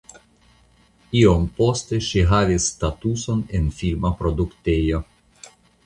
Iom poste ŝi havis statuson en filma produktejo.